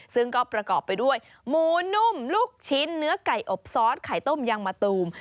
ซึ่งก็ประกอบไปด้วยหมูนุ่มลูกชิ้นเนื้อไก่อบซอสไข่ต้มยังมะตูม